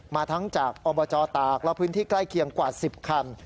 มาทั้งจากอบจตากและพื้นที่ใกล้เคียงกว่า๑๐คัน